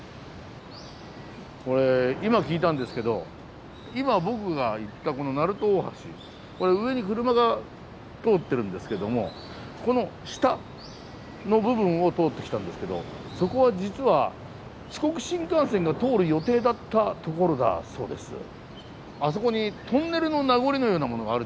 これ今聞いたんですけど今僕が行ったこの鳴門大橋これ上に車が通ってるんですけどもこの下の部分を通ってきたんですけどそこは実はあそこにトンネルの名残のようなものがあるじゃないですか。